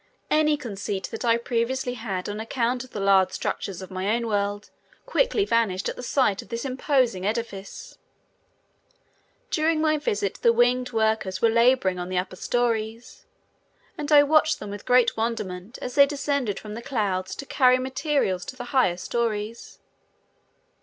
Any conceit that I previously had on account of the large structures of my own world quickly vanished at the sight of this imposing edifice. During my visit the winged workers were laboring on the upper stories and I watched them with great wonderment as they descended from the clouds to carry materials to the higher stories.